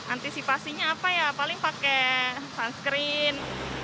antisipasinya apa ya paling pakai sunscreen